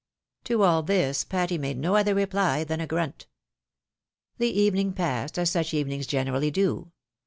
" To all this Patty made no other reply than a grunt. The evening passed, as such evenings generally do.